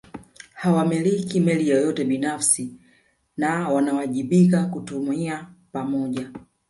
Hawamiliki mali yeyote binafsi na wanawajibika kutumia pamoja